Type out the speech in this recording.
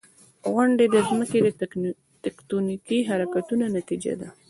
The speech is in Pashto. • غونډۍ د ځمکې د تکتونیکي حرکتونو نتیجه ده.